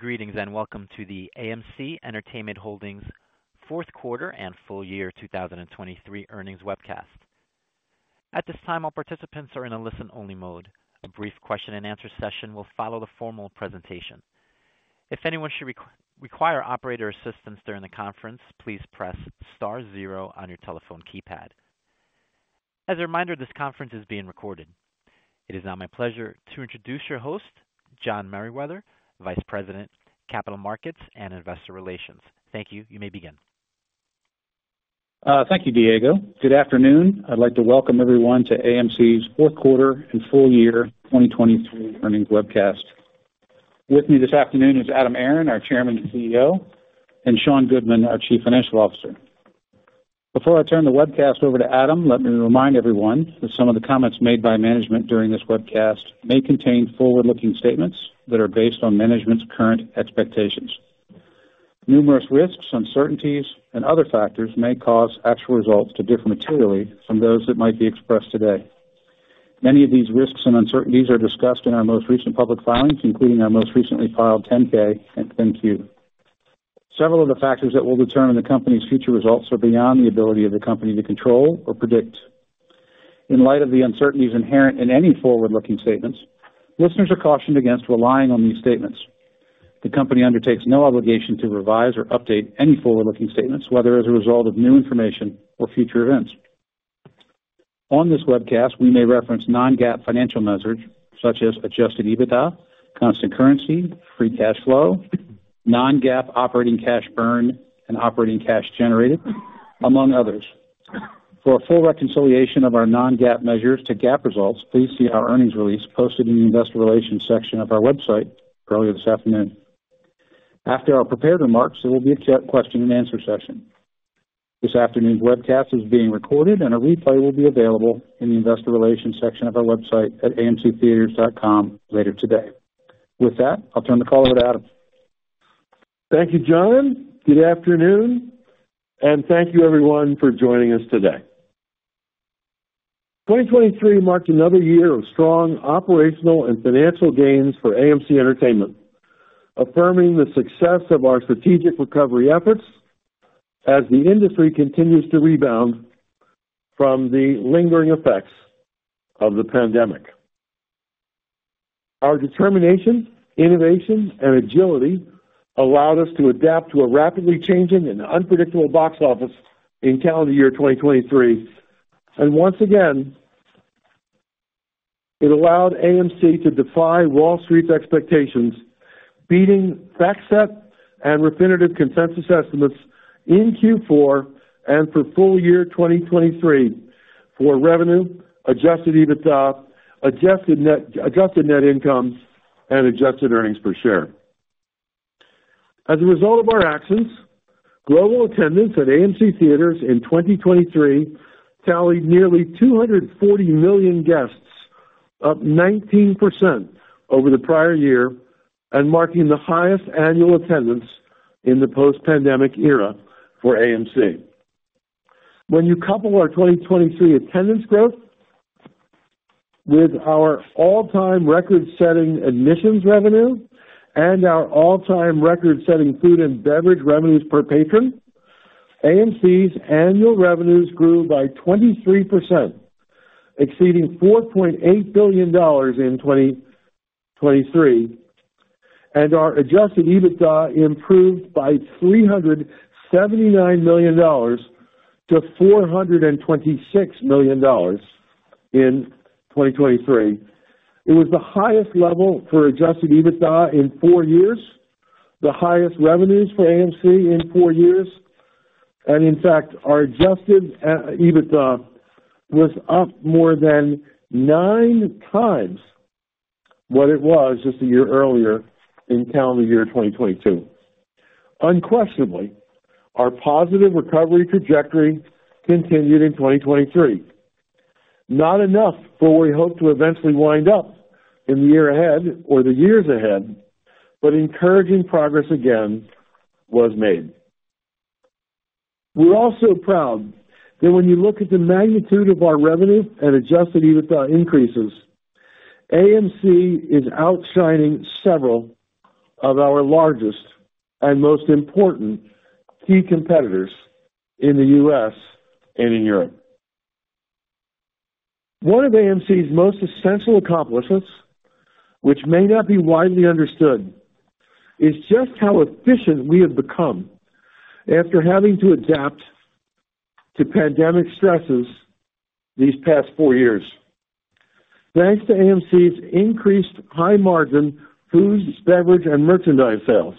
Greetings and welcome to the AMC Entertainment Holdings' Fourth Quarter and Full Year 2023 Earnings Webcast. At this time, all participants are in a listen-only mode. A brief question-and-answer session will follow the formal presentation. If anyone should require operator assistance during the conference, please press star zero on your telephone keypad. As a reminder, this conference is being recorded. It is now my pleasure to introduce your host, John Merriwether, Vice President, Capital Markets and Investor Relations. Thank you. You may begin. Thank you, Diego. Good afternoon. I'd like to welcome everyone to AMC's Fourth Quarter and Full Year 2023 Earnings Webcast. With me this afternoon is Adam Aron, our Chairman and CEO, and Sean Goodman, our Chief Financial Officer. Before I turn the webcast over to Adam, let me remind everyone that some of the comments made by management during this webcast may contain forward-looking statements that are based on management's current expectations. Numerous risks, uncertainties, and other factors may cause actual results to differ materially from those that might be expressed today. Many of these risks and uncertainties are discussed in our most recent public filings, including our most recently filed 10-K and 10-Q. Several of the factors that will determine the company's future results are beyond the ability of the company to control or predict. In light of the uncertainties inherent in any forward-looking statements, listeners are cautioned against relying on these statements. The company undertakes no obligation to revise or update any forward-looking statements, whether as a result of new information or future events. On this webcast, we may reference non-GAAP financial measures such as adjusted EBITDA, constant currency, free cash flow, non-GAAP operating cash burned, and operating cash generated, among others. For a full reconciliation of our non-GAAP measures to GAAP results, please see our earnings release posted in the Investor Relations section of our website earlier this afternoon. After our prepared remarks, there will be a question-and-answer session. This afternoon's webcast is being recorded, and a replay will be available in the Investor Relations section of our website at amctheatres.com later today. With that, I'll turn the call over to Adam. Thank you, John. Good afternoon. Thank you, everyone, for joining us today. 2023 marked another year of strong operational and financial gains for AMC Entertainment, affirming the success of our strategic recovery efforts as the industry continues to rebound from the lingering effects of the pandemic. Our determination, innovation, and agility allowed us to adapt to a rapidly changing and unpredictable box office in calendar year 2023. Once again, it allowed AMC to defy Wall Street's expectations, beating FactSet and Refinitiv consensus estimates in Q4 and for full year 2023 for revenue, adjusted EBITDA, adjusted net adjusted net incomes, and adjusted earnings per share. As a result of our actions, global attendance at AMC Theatres in 2023 tallied nearly 240 million guests, up 19% over the prior year, and marking the highest annual attendance in the post-pandemic era for AMC. When you couple our 2023 attendance growth with our all-time record-setting admissions revenue and our all-time record-setting food and beverage revenues per patron, AMC's annual revenues grew by 23%, exceeding $4.8 billion in 2023, and our Adjusted EBITDA improved by $379 million-$426 million in 2023. It was the highest level for Adjusted EBITDA in four years, the highest revenues for AMC in four years. And in fact, our Adjusted EBITDA was up more than 9x what it was just a year earlier in calendar year 2022. Unquestionably, our positive recovery trajectory continued in 2023, not enough for what we hoped to eventually wind up in the year ahead or the years ahead, but encouraging progress again was made. We're also proud that when you look at the magnitude of our revenue and Adjusted EBITDA increases, AMC is outshining several of our largest and most important key competitors in the U.S. and in Europe. One of AMC's most essential accomplishments, which may not be widely understood, is just how efficient we have become after having to adapt to pandemic stresses these past four years. Thanks to AMC's increased high-margin foods, beverage, and merchandise sales,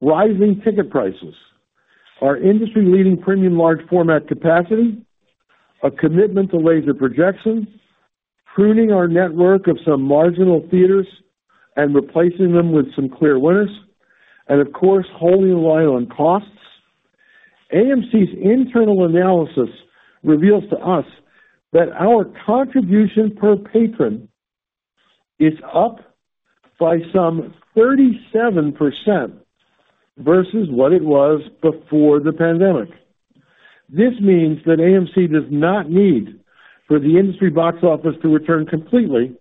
rising ticket prices, our industry-leading Premium Large Format capacity, a commitment to laser projection, pruning our network of some marginal theaters and replacing them with some clear winners, and of course, holding a line on costs, AMC's internal analysis reveals to us that our contribution per patron is up by some 37% versus what it was before the pandemic. This means that AMC does not need for the industry box office to return completely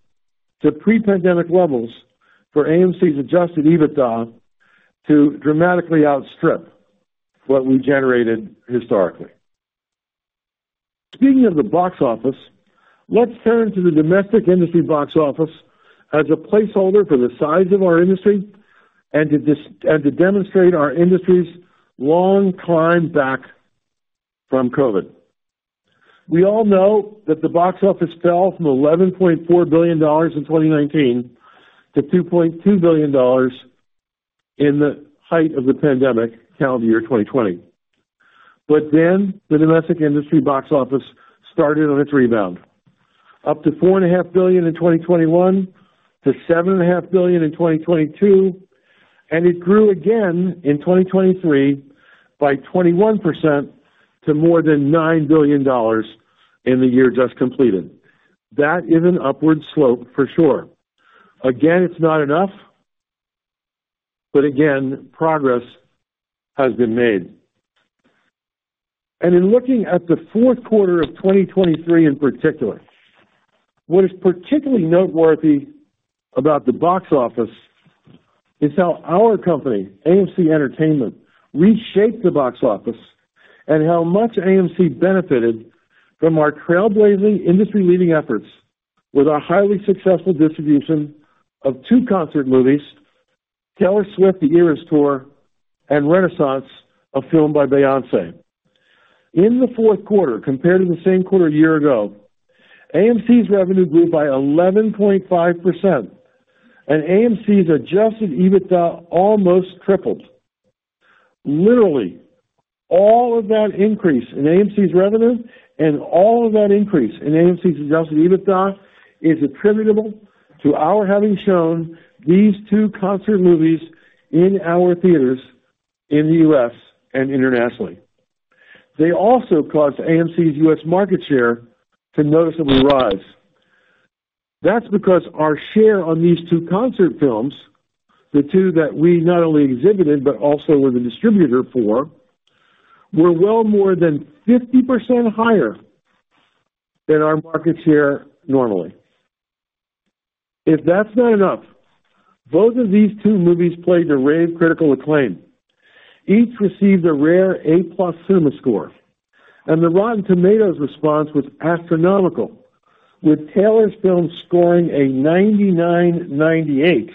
to pre-pandemic levels for AMC's Adjusted EBITDA to dramatically outstrip what we generated historically. Speaking of the box office, let's turn to the domestic industry box office as a placeholder for the size of our industry and to demonstrate our industry's long climb back from COVID. We all know that the box office fell from $11.4 billion in 2019 to $2.2 billion in the height of the pandemic calendar year 2020. But then the domestic industry box office started on its rebound, up to $4.5 billion in 2021 to $7.5 billion in 2022, and it grew again in 2023 by 21% to more than $9 billion in the year just completed. That is an upward slope for sure. Again, it's not enough, but again, progress has been made. In looking at the fourth quarter of 2023 in particular, what is particularly noteworthy about the box office is how our company, AMC Entertainment, reshaped the box office and how much AMC benefited from our trailblazing industry-leading efforts with our highly successful distribution of two concert movies, Taylor Swift: The Eras Tour, and Renaissance: A Film by Beyoncé. In the fourth quarter, compared to the same quarter a year ago, AMC's revenue grew by 11.5%, and AMC's Adjusted EBITDA almost tripled. Literally, all of that increase in AMC's revenue and all of that increase in AMC's Adjusted EBITDA is attributable to our having shown these two concert movies in our theaters in the U.S. and internationally. They also caused AMC's U.S. market share to noticeably rise. That's because our share on these two concert films, the two that we not only exhibited but also were the distributor for, were well more than 50% higher than our market share normally. If that's not enough, both of these two movies played to rave critical acclaim. Each received a rare A+ CinemaScore, and the Rotten Tomatoes response was astronomical, with Taylor's film scoring a 99%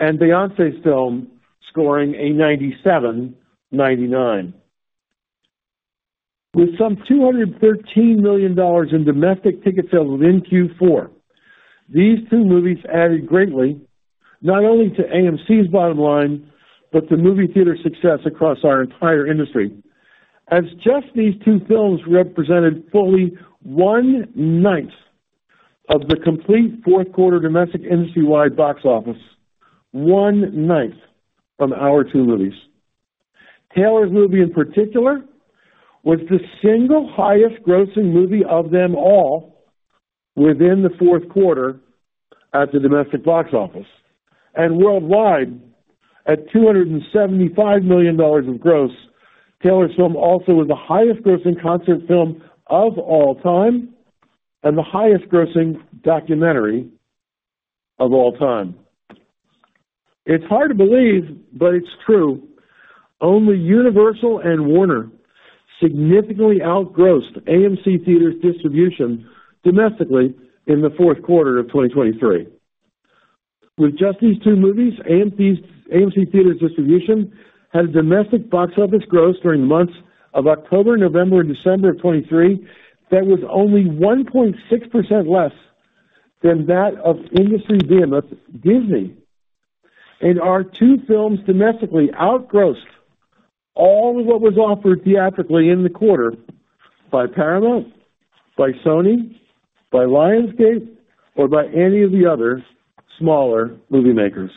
and Beyoncé's film scoring a 97%. With some $213 million in domestic ticket sales within Q4, these two movies added greatly not only to AMC's bottom line but to movie theater success across our entire industry, as just these two films represented fully 1/9 of the complete fourth quarter domestic industry-wide box office, 1/9 from our two movies. Taylor's movie in particular was the single highest-grossing movie of them all within the fourth quarter at the domestic box office. Worldwide, at $275 million of gross, Taylor's film also was the highest-grossing concert film of all time and the highest-grossing documentary of all time. It's hard to believe, but it's true, only Universal and Warner significantly outgrossed AMC Theatres' distribution domestically in the fourth quarter of 2023. With just these two movies, AMC Theatres' distribution had a domestic box office gross during the months of October, November, and December of 2023 that was only 1.6% less than that of industry behemoth Disney. And our two films domestically outgrossed all of what was offered theatrically in the quarter by Paramount, by Sony, by Lionsgate, or by any of the other smaller movie makers.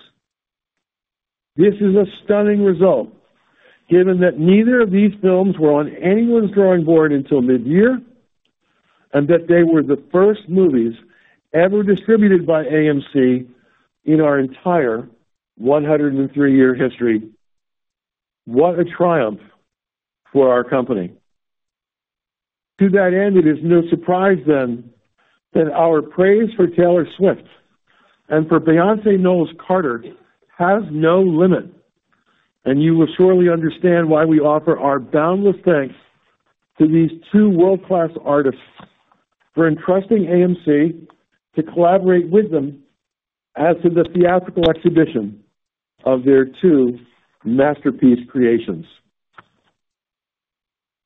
This is a stunning result given that neither of these films were on anyone's drawing board until midyear and that they were the first movies ever distributed by AMC in our entire 103-year history. What a triumph for our company. To that end, it is no surprise then that our praise for Taylor Swift and for Beyoncé Knowles-Carter has no limit. You will surely understand why we offer our boundless thanks to these two world-class artists for entrusting AMC to collaborate with them as to the theatrical exhibition of their two masterpiece creations.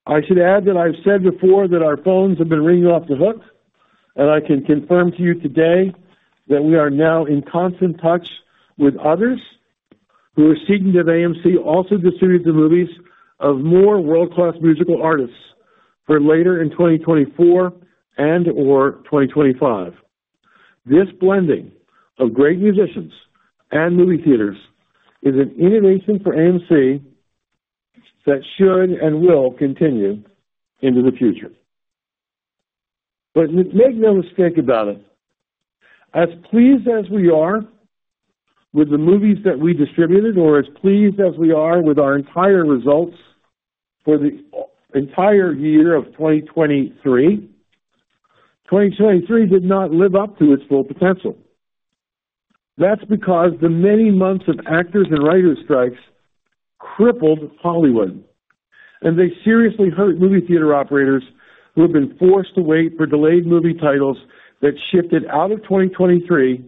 I should add that I've said before that our phones have been ringing off the hook, and I can confirm to you today that we are now in constant touch with others who are seeking to have AMC also distribute the movies of more world-class musical artists for later in 2024 and/or 2025. This blending of great musicians and movie theaters is an innovation for AMC that should and will continue into the future. But make no mistake about it, as pleased as we are with the movies that we distributed or as pleased as we are with our entire results for the entire year of 2023, 2023 did not live up to its full potential. That's because the many months of actors and writers' strikes crippled Hollywood, and they seriously hurt movie theater operators who have been forced to wait for delayed movie titles that shifted out of 2023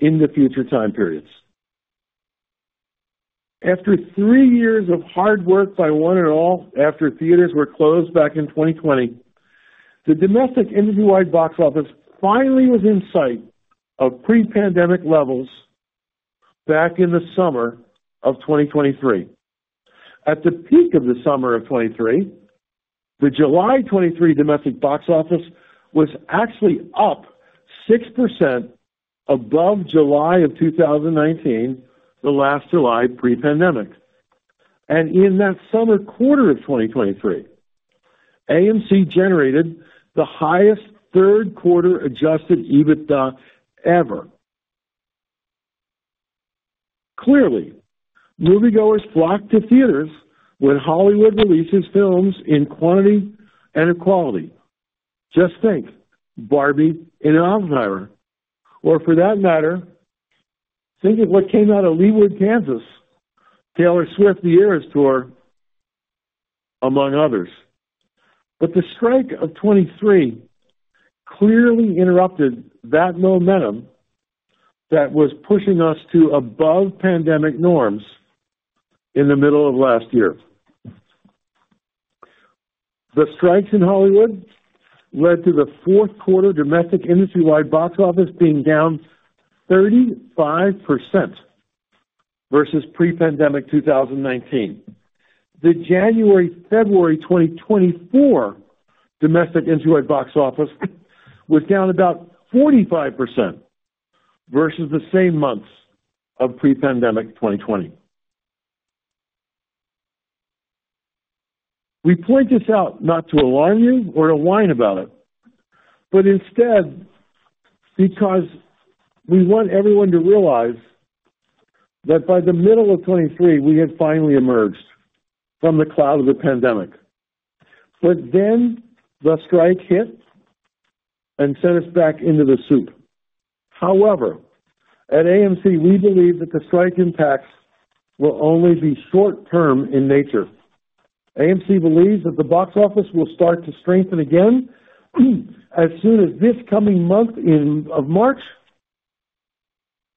in the future time periods. After three years of hard work by one and all after theaters were closed back in 2020, the domestic industry-wide box office finally was in sight of pre-pandemic levels back in the summer of 2023. At the peak of the summer of 2023, the July 2023 domestic box office was actually up 6% above July of 2019, the last July pre-pandemic. In that summer quarter of 2023, AMC generated the highest third-quarter Adjusted EBITDA ever. Clearly, moviegoers flock to theaters when Hollywood releases films in quantity and quality. Just think of Barbie and Oppenheimer, or for that matter, think of what came out of Leawood, Kansas, Taylor Swift: The Eras Tour, among others. But the strike of 2023 clearly interrupted that momentum that was pushing us to above-pandemic norms in the middle of last year. The strikes in Hollywood led to the fourth quarter domestic industry-wide box office being down 35% versus pre-pandemic 2019. The January, February 2024 domestic industry-wide box office was down about 45% versus the same months of pre-pandemic 2020. We point this out not to alarm you or to whine about it, but instead because we want everyone to realize that by the middle of 2023, we had finally emerged from the cloud of the pandemic. But then the strike hit and sent us back into the soup. However, at AMC, we believe that the strike impacts will only be short-term in nature. AMC believes that the box office will start to strengthen again as soon as this coming month of March,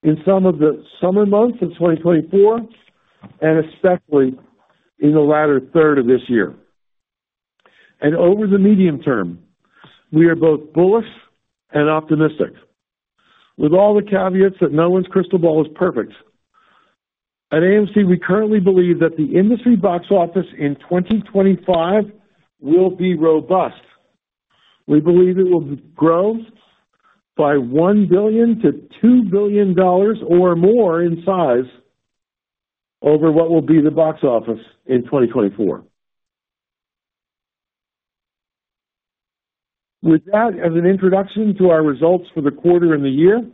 in some of the summer months of 2024, and especially in the latter third of this year. Over the medium term, we are both bullish and optimistic, with all the caveats that no one's crystal ball is perfect. At AMC, we currently believe that the industry box office in 2025 will be robust. We believe it will grow by $1 billion-$2 billion or more in size over what will be the box office in 2024. With that as an introduction to our results for the quarter and the year,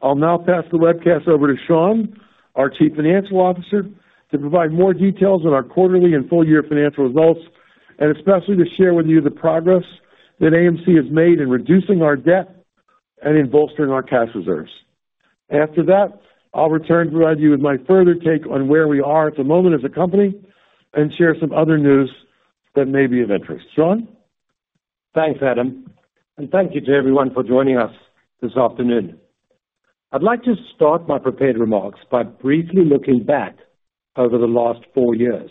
I'll now pass the webcast over to Sean, our Chief Financial Officer, to provide more details on our quarterly and full-year financial results and especially to share with you the progress that AMC has made in reducing our debt and in bolstering our cash reserves. After that, I'll return to provide you with my further take on where we are at the moment as a company and share some other news that may be of interest. Sean? Thanks, Adam. Thank you to everyone for joining us this afternoon. I'd like to start my prepared remarks by briefly looking back over the last four years.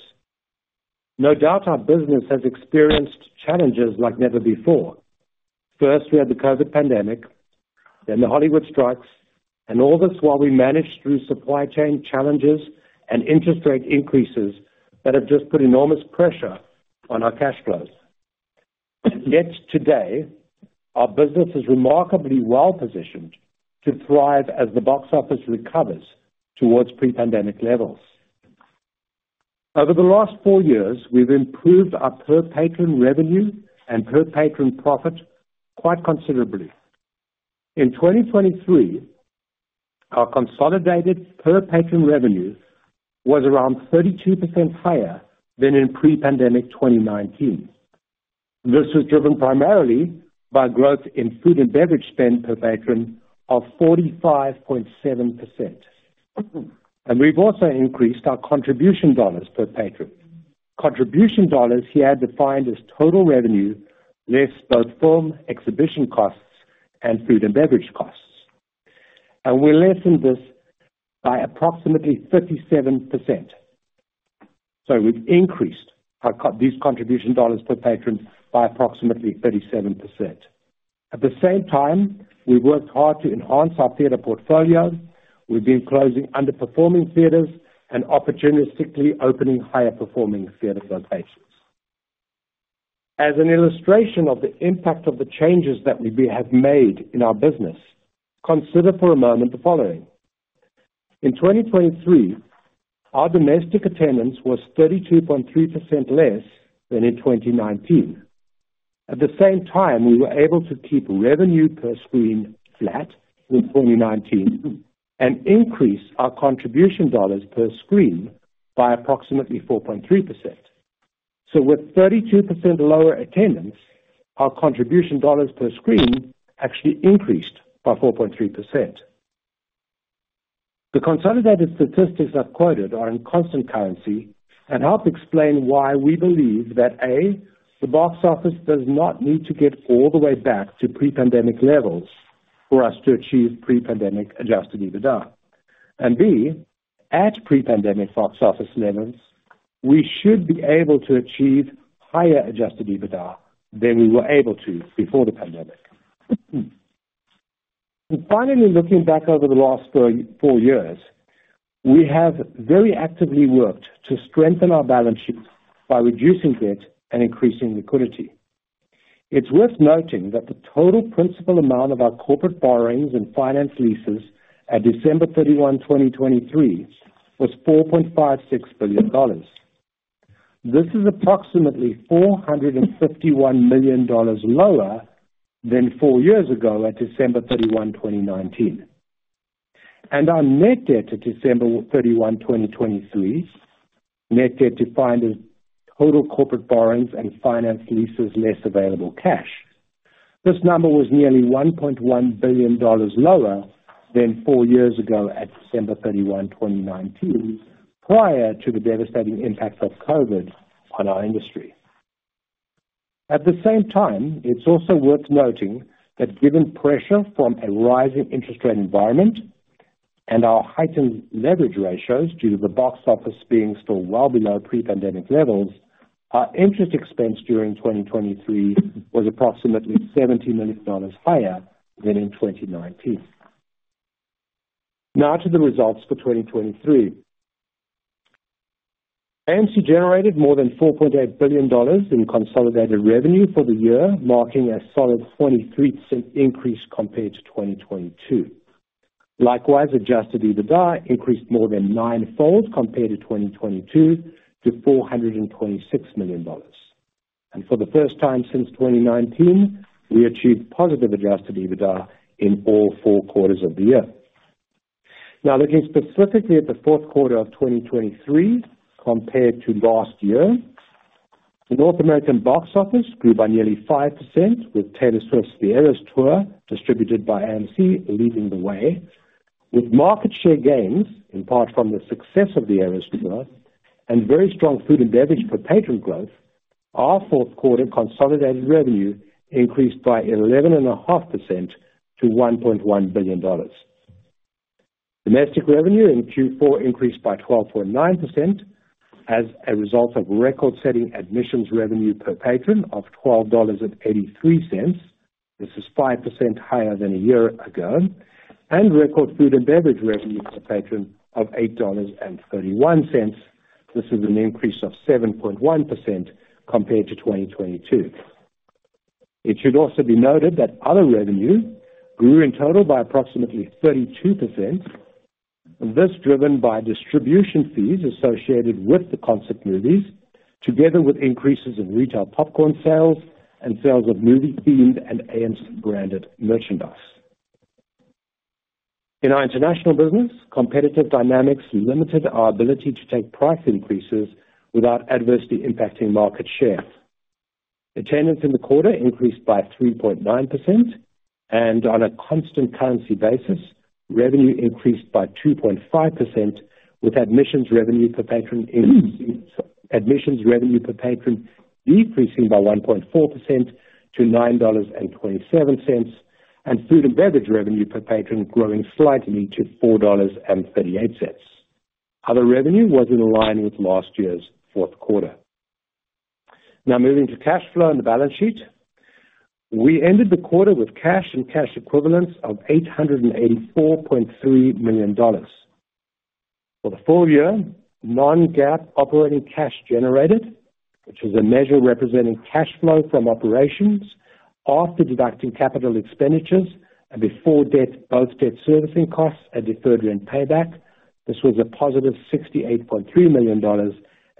No doubt our business has experienced challenges like never before. First, we had the COVID pandemic, then the Hollywood strikes, and all this while we managed through supply chain challenges and interest rate increases that have just put enormous pressure on our cash flows. Yet today, our business is remarkably well-positioned to thrive as the box office recovers towards pre-pandemic levels. Over the last four years, we've improved our per-patron revenue and per-patron profit quite considerably. In 2023, our consolidated per-patron revenue was around 32% higher than in pre-pandemic 2019. This was driven primarily by growth in food and beverage spend per patron of 45.7%. We've also increased our contribution dollars per patron, contribution dollars here defined as total revenue less both film exhibition costs and food and beverage costs. We lessened this by approximately 57%. We've increased these contribution dollars per patron by approximately 37%. At the same time, we've worked hard to enhance our theater portfolio. We've been closing underperforming theaters and opportunistically opening higher-performing theater locations. As an illustration of the impact of the changes that we have made in our business, consider for a moment the following. In 2023, our domestic attendance was 32.3% less than in 2019. At the same time, we were able to keep revenue per screen flat in 2019 and increase our contribution dollars per screen by approximately 4.3%. With 32% lower attendance, our contribution dollars per screen actually increased by 4.3%. The consolidated statistics I've quoted are in constant currency and help explain why we believe that, A, the box office does not need to get all the way back to pre-pandemic levels for us to achieve pre-pandemic adjusted EBITDA. B, at pre-pandemic box office levels, we should be able to achieve higher adjusted EBITDA than we were able to before the pandemic. Finally, looking back over the last four years, we have very actively worked to strengthen our balance sheet by reducing debt and increasing liquidity. It's worth noting that the total principal amount of our corporate borrowings and finance leases at December 31, 2023, was $4.56 billion. This is approximately $451 million lower than four years ago at December 31, 2019. Our Net Debt at December 31, 2023, Net Debt defined as total corporate borrowings and finance leases less available cash, this number was nearly $1.1 billion lower than four years ago at December 31, 2019, prior to the devastating impacts of COVID on our industry. At the same time, it's also worth noting that given pressure from a rising interest rate environment and our heightened leverage ratios due to the box office being still well below pre-pandemic levels, our interest expense during 2023 was approximately $70 million higher than in 2019. Now to the results for 2023. AMC generated more than $4.8 billion in consolidated revenue for the year, marking a solid 23% increase compared to 2022. Likewise, Adjusted EBITDA increased more than nine-fold compared to 2022 to $426 million. For the first time since 2019, we achieved positive Adjusted EBITDA in all four quarters of the year. Now, looking specifically at the fourth quarter of 2023 compared to last year, the North American box office grew by nearly 5%, with Taylor Swift's The Eras Tour distributed by AMC leading the way. With market share gains, in part from the success of The Eras Tour, and very strong food and beverage per-patron growth, our fourth quarter consolidated revenue increased by 11.5% to $1.1 billion. Domestic revenue in Q4 increased by 12.9% as a result of record-setting admissions revenue per patron of $12.83. This is 5% higher than a year ago. Record food and beverage revenue per patron of $8.31. This is an increase of 7.1% compared to 2022. It should also be noted that other revenue grew in total by approximately 32%, this driven by distribution fees associated with the concert movies, together with increases in retail popcorn sales and sales of movie-themed and AMC-branded merchandise. In our international business, competitive dynamics limited our ability to take price increases without adversely impacting market share. Attendance in the quarter increased by 3.9%. On a constant currency basis, revenue increased by 2.5%, with admissions revenue per patron decreasing by 1.4% to $9.27 and food and beverage revenue per patron growing slightly to $4.38. Other revenue was in line with last year's fourth quarter. Now, moving to cash flow and the balance sheet, we ended the quarter with cash and cash equivalents of $884.3 million. For the full year, non-GAAP operating cash generated, which is a measure representing cash flow from operations after deducting capital expenditures and before both debt servicing costs and deferred rent payback, this was a positive $68.3 million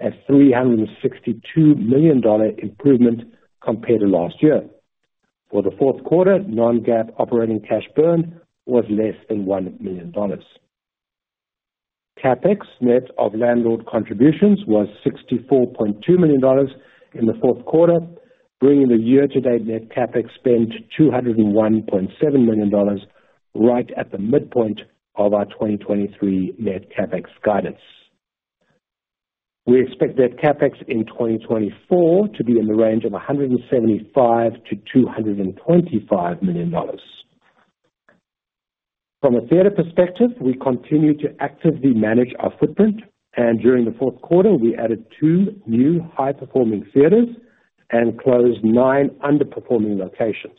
at a $362 million improvement compared to last year. For the fourth quarter, non-GAAP operating cash burned was less than $1 million. CapEx net of landlord contributions was $64.2 million in the fourth quarter, bringing the year-to-date net CapEx spend to $201.7 million, right at the midpoint of our 2023 net CapEx guidance. We expect net CapEx in 2024 to be in the range of $175 million-$225 million. From a theater perspective, we continue to actively manage our footprint. During the fourth quarter, we added two new high-performing theaters and closed nine underperforming locations.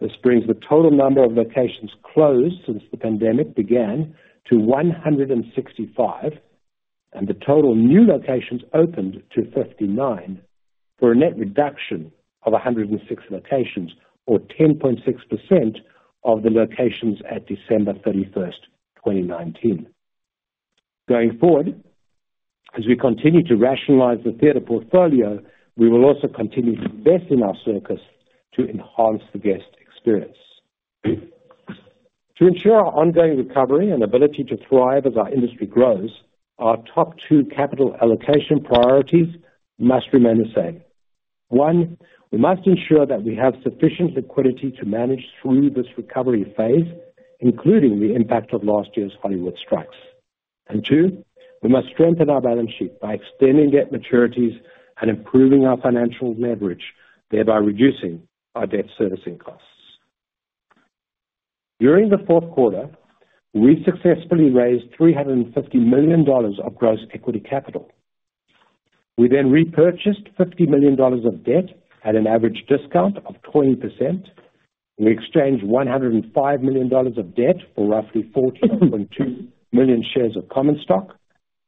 This brings the total number of locations closed since the pandemic began to 165, and the total new locations opened to 59, for a net reduction of 106 locations, or 10.6% of the locations at December 31, 2019. Going forward, as we continue to rationalize the theater portfolio, we will also continue to invest in our circuit to enhance the guest experience. To ensure our ongoing recovery and ability to thrive as our industry grows, our top two capital allocation priorities must remain the same. One, we must ensure that we have sufficient liquidity to manage through this recovery phase, including the impact of last year's Hollywood strikes. Two, we must strengthen our balance sheet by extending debt maturities and improving our financial leverage, thereby reducing our debt servicing costs. During the fourth quarter, we successfully raised $350 million of gross equity capital. We then repurchased $50 million of debt at an average discount of 20%. We exchanged $105 million of debt for roughly 14.2 million shares of common stock,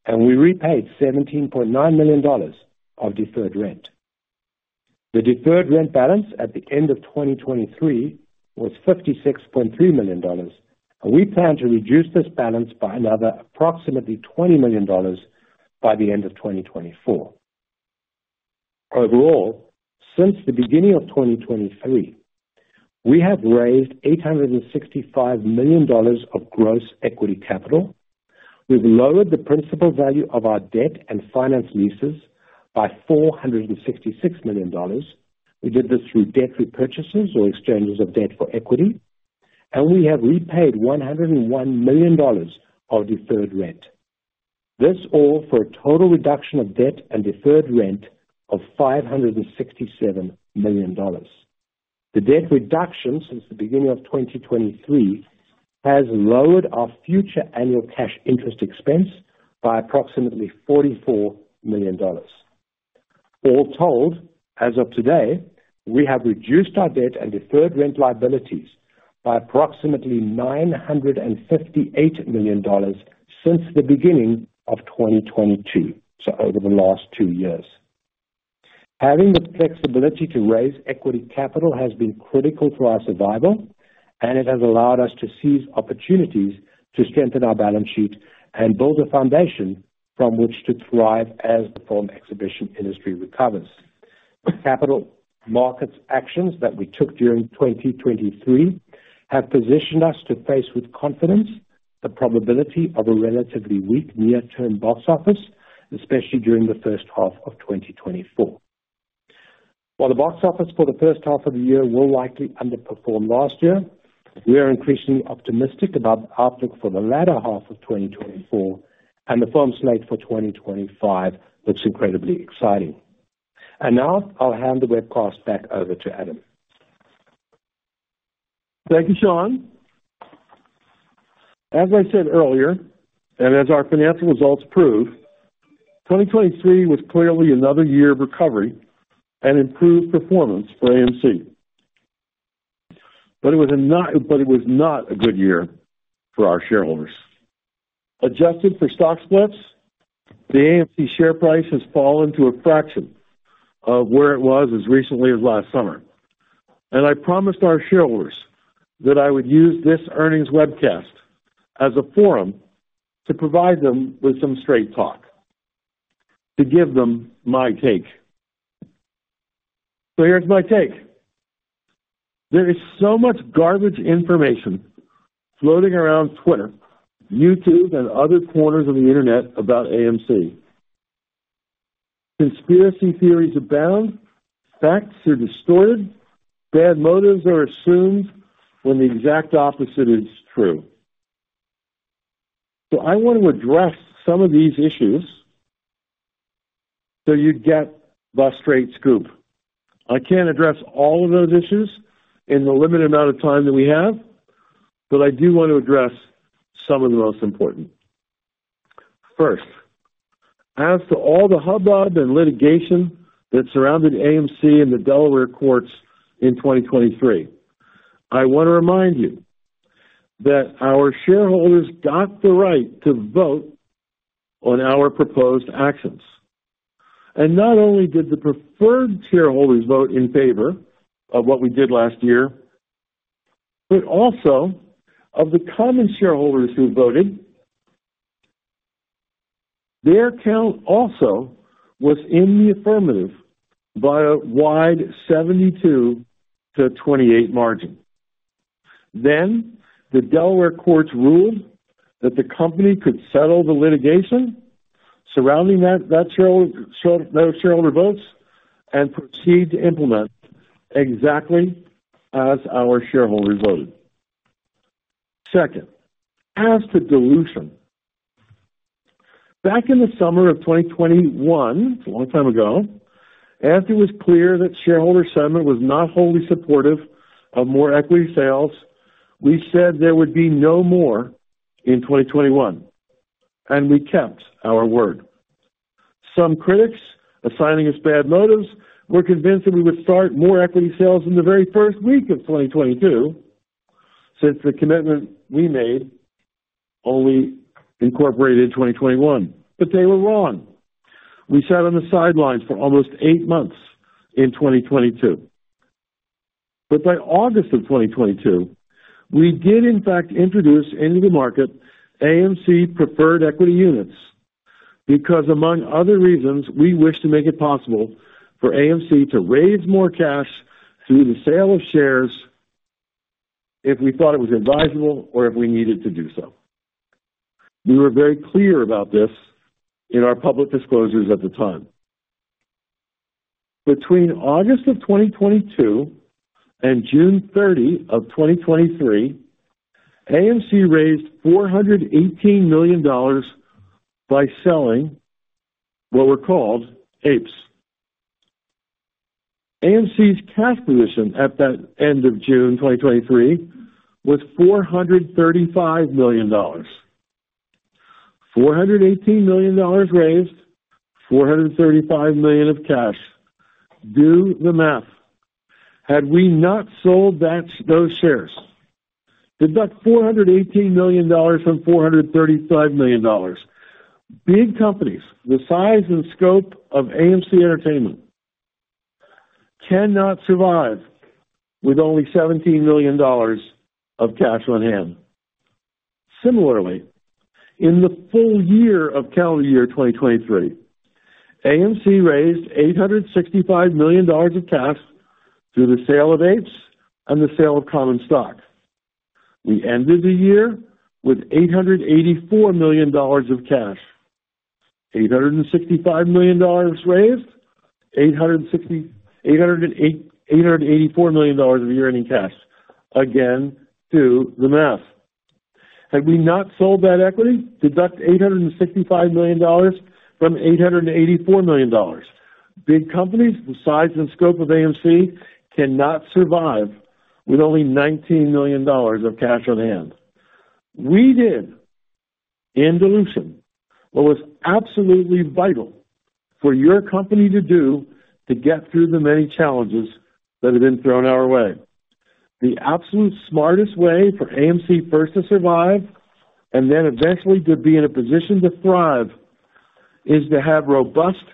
and we repaid $17.9 million of deferred rent. The deferred rent balance at the end of 2023 was $56.3 million. We plan to reduce this balance by another approximately $20 million by the end of 2024. Overall, since the beginning of 2023, we have raised $865 million of gross equity capital. We've lowered the principal value of our debt and finance leases by $466 million. We did this through debt repurchases or exchanges of debt for equity. We have repaid $101 million of deferred rent. This all for a total reduction of debt and deferred rent of $567 million. The debt reduction since the beginning of 2023 has lowered our future annual cash interest expense by approximately $44 million. All told, as of today, we have reduced our debt and deferred rent liabilities by approximately $958 million since the beginning of 2022, so over the last two years. Having the flexibility to raise equity capital has been critical for our survival. It has allowed us to seize opportunities to strengthen our balance sheet and build a foundation from which to thrive as the film exhibition industry recovers. Capital markets actions that we took during 2023 have positioned us to face with confidence the probability of a relatively weak near-term box office, especially during the first half of 2024. While the box office for the first half of the year will likely underperform last year, we are increasingly optimistic about the outlook for the latter half of 2024. The film slate for 2025 looks incredibly exciting. Now, I'll hand the webcast back over to Adam. Thank you, Sean. As I said earlier, and as our financial results prove, 2023 was clearly another year of recovery and improved performance for AMC. But it was not a good year for our shareholders. Adjusted for stock splits, the AMC share price has fallen to a fraction of where it was as recently as last summer. I promised our shareholders that I would use this earnings webcast as a forum to provide them with some straight talk, to give them my take. Here's my take. There is so much garbage information floating around Twitter, YouTube, and other corners of the internet about AMC. Conspiracy theories abound. Facts are distorted. Bad motives are assumed when the exact opposite is true. I want to address some of these issues so you get the straight scoop. I can't address all of those issues in the limited amount of time that we have. I do want to address some of the most important. First, as to all the hubbub and litigation that surrounded AMC and the Delaware courts in 2023, I want to remind you that our shareholders got the right to vote on our proposed actions. And not only did the preferred shareholders vote in favor of what we did last year, but also of the common shareholders who voted, their count also was in the affirmative by a wide 72-28 margin. Then, the Delaware courts ruled that the company could settle the litigation surrounding those shareholder votes and proceed to implement exactly as our shareholders voted. Second, as to dilution. Back in the summer of 2021, it's a long time ago, after it was clear that shareholder sentiment was not wholly supportive of more equity sales, we said there would be no more in 2021. And we kept our word. Some critics, assigning us bad motives, were convinced that we would start more equity sales in the very first week of 2022, since the commitment we made only incorporated 2021. But they were wrong. We sat on the sidelines for almost eight months in 2022. But by August of 2022, we did, in fact, introduce into the market AMC Preferred Equity units because, among other reasons, we wished to make it possible for AMC to raise more cash through the sale of shares if we thought it was advisable or if we needed to do so. We were very clear about this in our public disclosures at the time. Between August of 2022 and June 30 of 2023, AMC raised $418 million by selling what were called APES. AMC's cash position at the end of June 2023 was $435 million. $418 million raised, $435 million of cash. Do the math. Had we not sold those shares, deduct $418 million from $435 million; big companies, the size and scope of AMC Entertainment, cannot survive with only $17 million of cash on hand. Similarly, in the full year of calendar year 2023, AMC raised $865 million of cash through the sale of APES and the sale of common stock. We ended the year with $884 million of cash, $865 million raised, $884 million of year-ending cash. Again, do the math. Had we not sold that equity, deduct $865 million from $884 million. Big companies, the size and scope of AMC, cannot survive with only $19 million of cash on hand. We did. In dilution, what was absolutely vital for your company to do to get through the many challenges that have been thrown our way, the absolute smartest way for AMC first to survive and then eventually to be in a position to thrive is to have robust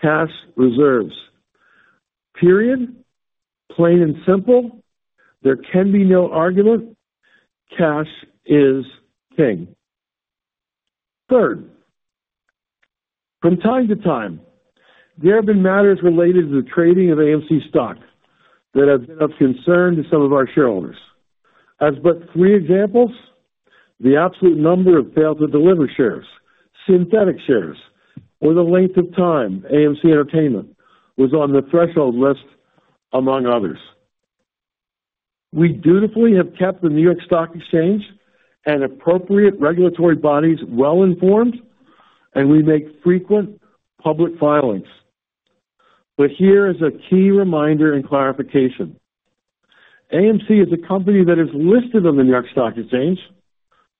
cash reserves. Period. Plain and simple. There can be no argument. Cash is king. Third, from time to time, there have been matters related to the trading of AMC stock that have been of concern to some of our shareholders. As but three examples, the absolute number of failed-to-deliver shares, synthetic shares, or the length of time AMC Entertainment was on the threshold list, among others. We dutifully have kept the New York Stock Exchange and appropriate regulatory bodies well-informed. We make frequent public filings. Here is a key reminder and clarification. AMC is a company that is listed on the New York Stock Exchange.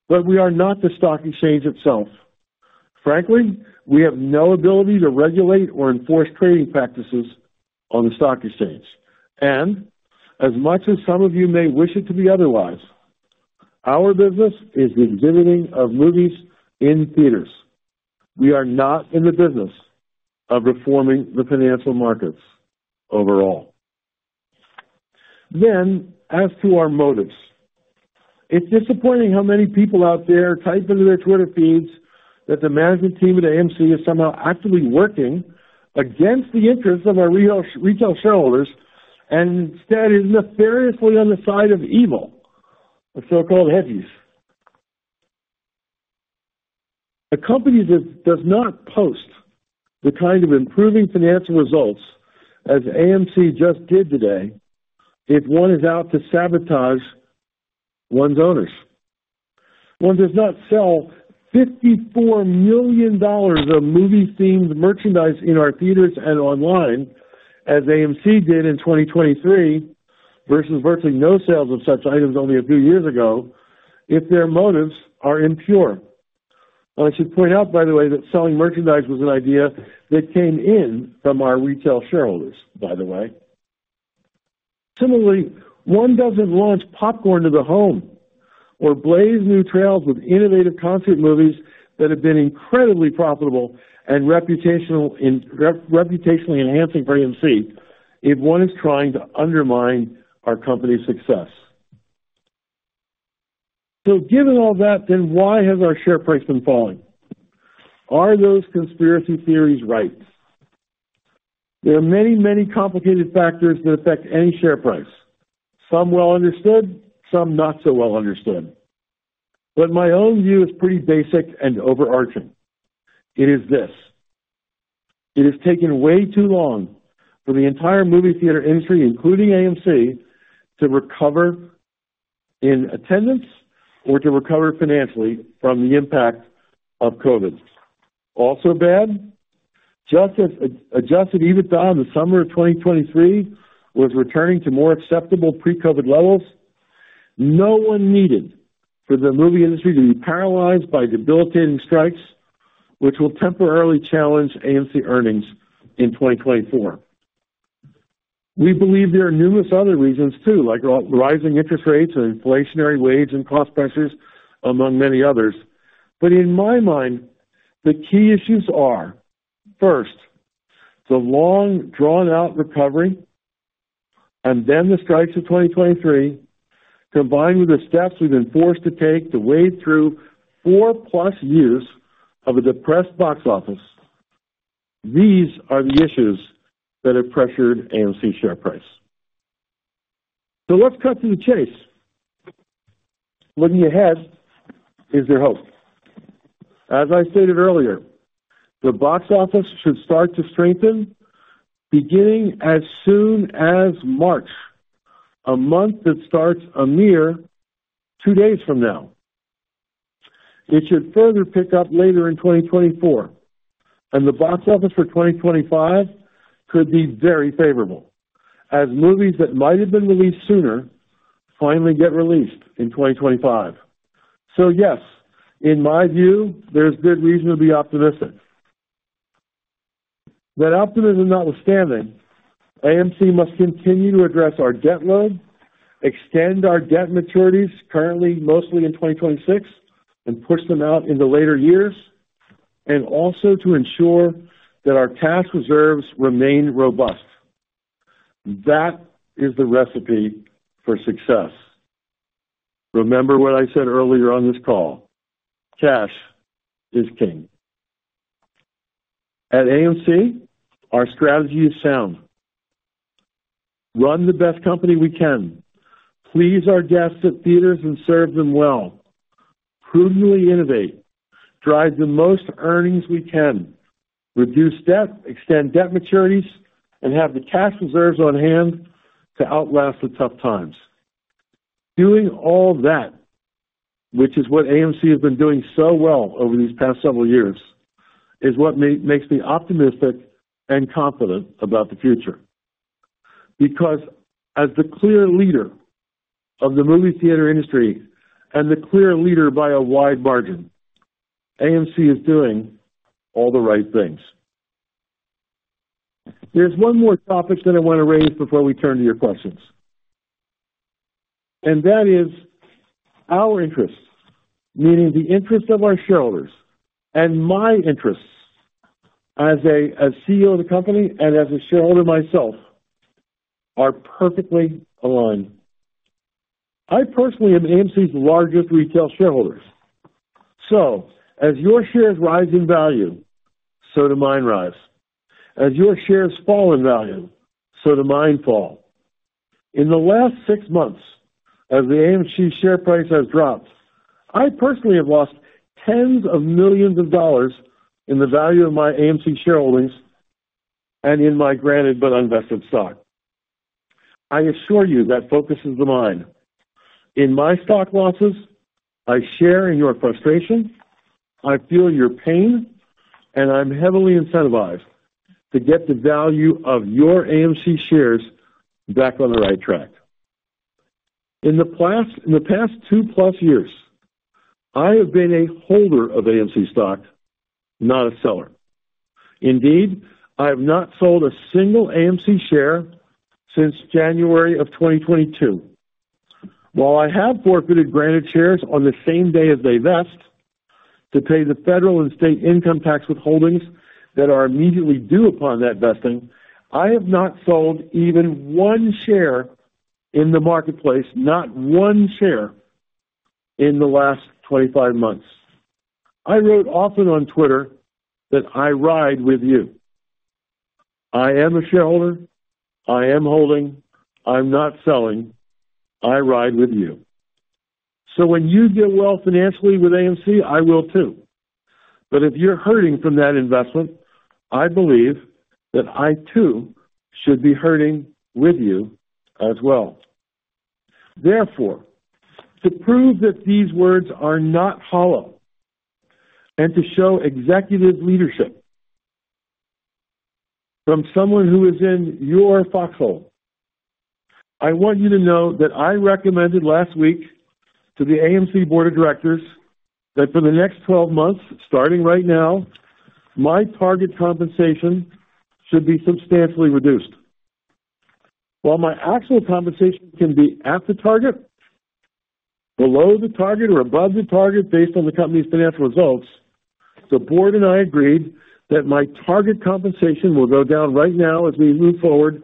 But we are not the stock exchange itself. Frankly, we have no ability to regulate or enforce trading practices on the stock exchange. And as much as some of you may wish it to be otherwise, our business is the exhibiting of movies in theaters. We are not in the business of reforming the financial markets overall. Then, as to our motives, it's disappointing how many people out there type into their Twitter feeds that the management team at AMC is somehow actively working against the interests of our retail shareholders and instead is nefariously on the side of evil, the so-called hedges. A company that does not post the kind of improving financial results as AMC just did today, it wants out to sabotage one's owners. One does not sell $54 million of movie-themed merchandise in our theaters and online as AMC did in 2023 versus virtually no sales of such items only a few years ago if their motives are impure. I should point out, by the way, that selling merchandise was an idea that came in from our retail shareholders, by the way. Similarly, one doesn't launch popcorn to the home or blaze new trails with innovative concert movies that have been incredibly profitable and reputationally enhancing for AMC if one is trying to undermine our company's success. Given all that, then why has our share price been falling? Are those conspiracy theories right? There are many, many complicated factors that affect any share price, some well understood, some not so well understood. My own view is pretty basic and overarching. It is this. It has taken way too long for the entire movie theater industry, including AMC, to recover in attendance or to recover financially from the impact of COVID. Also bad? Just as Adjusted EBITDA in the summer of 2023 was returning to more acceptable pre-COVID levels, no one needed for the movie industry to be paralyzed by debilitating strikes, which will temporarily challenge AMC earnings in 2024. We believe there are numerous other reasons too, like rising interest rates and inflationary wage and cost pressures, among many others. But in my mind, the key issues are, first, the long, drawn-out recovery, and then the strikes of 2023 combined with the steps we've been forced to take to wade through four-plus years of a depressed box office. These are the issues that have pressured AMC's share price. So let's cut to the chase. Looking ahead, is there hope? As I stated earlier, the box office should start to strengthen beginning as soon as March, a month that starts a mere two days from now. It should further pick up later in 2024. The box office for 2025 could be very favorable as movies that might have been released sooner finally get released in 2025. So yes, in my view, there's good reason to be optimistic. That optimism notwithstanding, AMC must continue to address our debt load, extend our debt maturities currently mostly in 2026, and push them out into later years, and also to ensure that our cash reserves remain robust. That is the recipe for success. Remember what I said earlier on this call. Cash is king. At AMC, our strategy is sound. Run the best company we can. Please our guests at theaters and serve them well. Prudently innovate. Drive the most earnings we can. Reduce debt, extend debt maturities, and have the cash reserves on hand to outlast the tough times. Doing all that, which is what AMC has been doing so well over these past several years, is what makes me optimistic and confident about the future. Because as the clear leader of the movie theater industry and the clear leader by a wide margin, AMC is doing all the right things. There's one more topic that I want to raise before we turn to your questions. That is our interests, meaning the interests of our shareholders and my interests as CEO of the company and as a shareholder myself, are perfectly aligned. I personally am AMC's largest retail shareholder. So as your shares rise in value, so do mine rise. As your shares fall in value, so do mine fall. In the last six months, as the AMC share price has dropped, I personally have lost tens of millions of dollars in the value of my AMC shareholdings and in my granted but unvested stock. I assure you that the pain is on my mind. In my stock losses, I share in your frustration. I feel your pain. I'm heavily incentivized to get the value of your AMC shares back on the right track. In the past two plus years, I have been a holder of AMC stock, not a seller. Indeed, I have not sold a single AMC share since January of 2022. While I have forfeited granted shares on the same day as they vest to pay the federal and state income tax withholdings that are immediately due upon that vesting, I have not sold even one share in the marketplace, not one share, in the last 25 months. I wrote often on Twitter that I ride with you. I am a shareholder. I am holding. I'm not selling. I ride with you. So when you get well financially with AMC, I will too. But if you're hurting from that investment, I believe that I, too, should be hurting with you as well. Therefore, to prove that these words are not hollow and to show executive leadership from someone who is in your foxhole, I want you to know that I recommended last week to the AMC board of directors that for the next 12 months, starting right now, my target compensation should be substantially reduced. While my actual compensation can be at the target, below the target, or above the target based on the company's financial results, the board and I agreed that my target compensation will go down right now as we move forward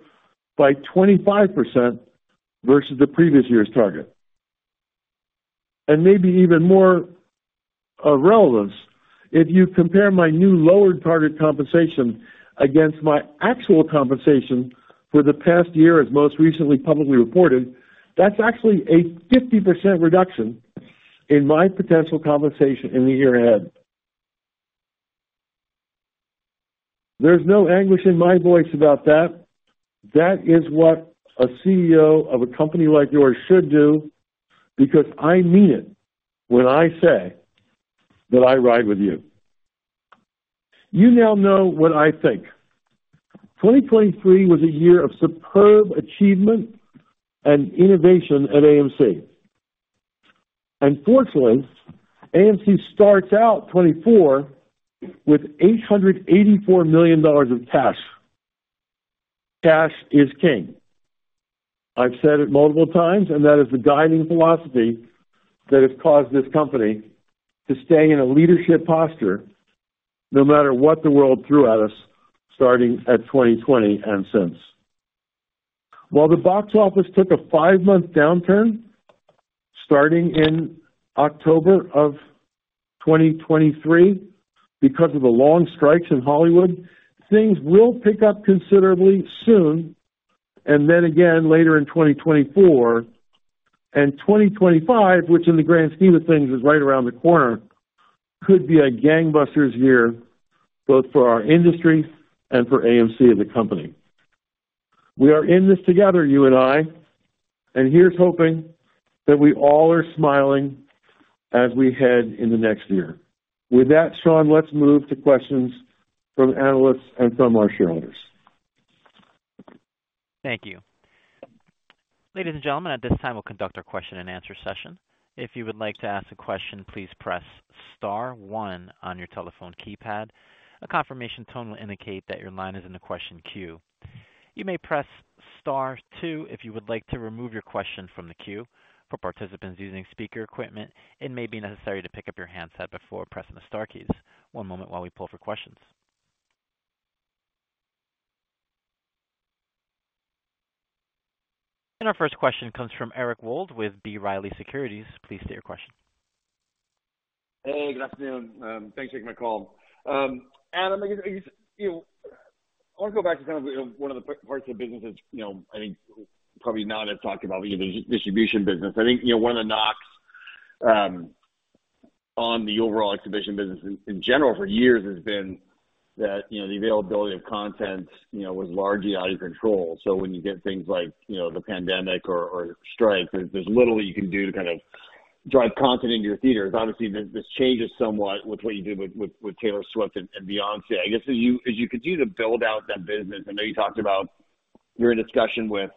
by 25% versus the previous year's target. And maybe even more of relevance, if you compare my new lowered target compensation against my actual compensation for the past year, as most recently publicly reported, that's actually a 50% reduction in my potential compensation in the year ahead. There's no anguish in my voice about that. That is what a CEO of a company like yours should do because I mean it when I say that I ride with you. You now know what I think. 2023 was a year of superb achievement and innovation at AMC. And fortunately, AMC starts out 2024 with $884 million of cash. Cash is king. I've said it multiple times. And that is the guiding philosophy that has caused this company to stay in a leadership posture no matter what the world threw at us starting at 2020 and since. While the box office took a five-month downturn starting in October of 2023 because of the long strikes in Hollywood, things will pick up considerably soon and then again later in 2024. 2025, which in the grand scheme of things is right around the corner, could be a gangbusters year both for our industry and for AMC as a company. We are in this together, you and I. Here's hoping that we all are smiling as we head in the next year. With that, Sean, let's move to questions from Analysts and from our Shareholders. Thank you. Ladies and gentlemen, at this time, we'll conduct our question-and-answer session. If you would like to ask a question, please press star one on your telephone keypad. A confirmation tone will indicate that your line is in the question queue. You may press star two if you would like to remove your question from the queue. For participants using speaker equipment, it may be necessary to pick up your handset before pressing the star keys. One moment while we pull for questions. And our first question comes from Eric Wold with B. Riley Securities. Please state your question. Hey. Good afternoon. Thanks for taking my call. Adam, I guess I want to go back to kind of one of the parts of the business that I think probably not as talked about, but the distribution business. I think one of the knocks on the overall exhibition business in general for years has been that the availability of content was largely out of control. So when you get things like the pandemic or strikes, there's little that you can do to kind of drive content into your theaters. Obviously, this changes somewhat with what you did with Taylor Swift and Beyoncé. I guess as you continue to build out that business I know you talked about you're in discussion with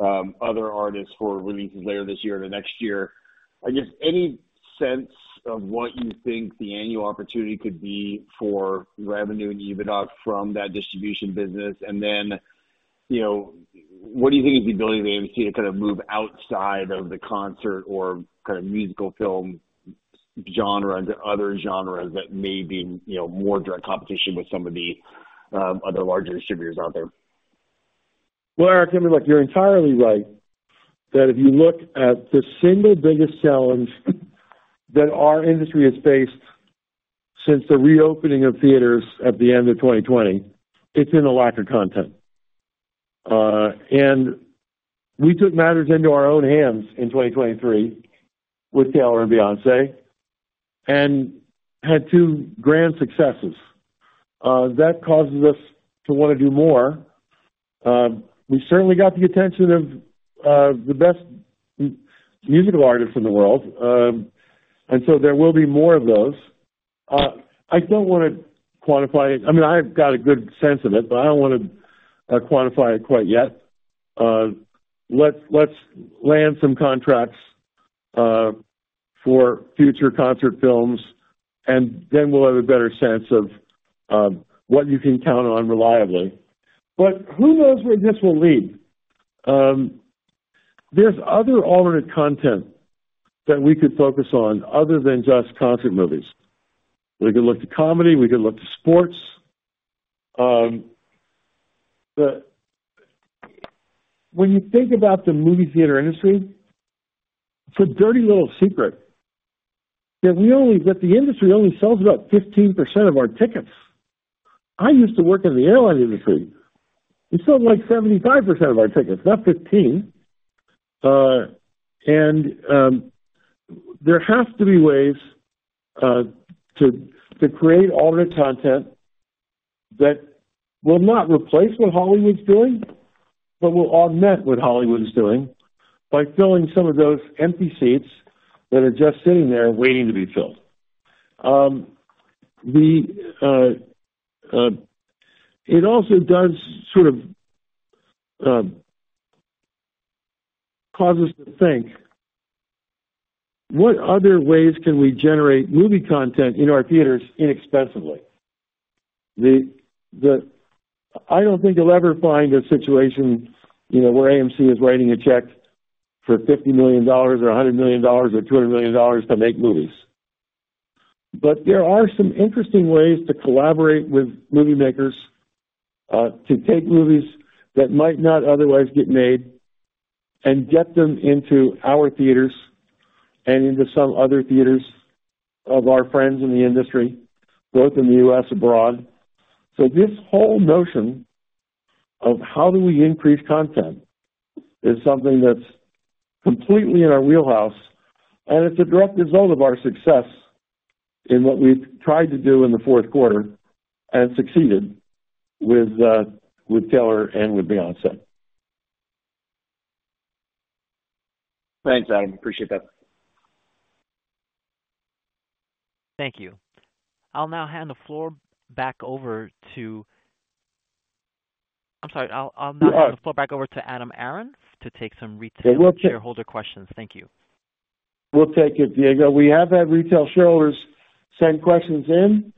other artists for releases later this year or next year. I guess any sense of what you think the annual opportunity could be for revenue and EBITDA from that distribution business? And then what do you think is the ability of AMC to kind of move outside of the concert or kind of musical film genre into other genres that may be more direct competition with some of the other larger distributors out there? Well, Eric, you're entirely right that if you look at the single biggest challenge that our industry has faced since the reopening of theaters at the end of 2020, it's been the lack of content. We took matters into our own hands in 2023 with Taylor and Beyoncé and had two grand successes. That causes us to want to do more. We certainly got the attention of the best musical artists in the world. So there will be more of those. I don't want to quantify it. I mean, I've got a good sense of it, but I don't want to quantify it quite yet. Let's land some contracts for future concert films, and then we'll have a better sense of what you can count on reliably. But who knows where this will lead? There's other alternate content that we could focus on other than just concert movies. We could look to comedy. We could look to sports. When you think about the movie theater industry, it's a dirty little secret that the industry only sells about 15% of our tickets. I used to work in the airline industry. It's still like 75% of our tickets, not 15. And there have to be ways to create alternate content that will not replace what Hollywood's doing but will augment what Hollywood is doing by filling some of those empty seats that are just sitting there waiting to be filled. It also sort of causes us to think, "What other ways can we generate movie content in our theaters inexpensively?" I don't think you'll ever find a situation where AMC is writing a check for $50 million or $100 million or $200 million to make movies. There are some interesting ways to collaborate with movie makers to take movies that might not otherwise get made and get them into our theaters and into some other theaters of our friends in the industry, both in the U.S. abroad. This whole notion of how do we increase content is something that's completely in our wheelhouse. It's a direct result of our success in what we've tried to do in the fourth quarter and succeeded with Taylor and with Beyoncé. Thanks, Adam. Appreciate that. Thank you. I'll now hand the floor back over to Adam Aron to take some retail shareholder questions. Thank you. We'll take it, Diego. We have had retail shareholders send questions in.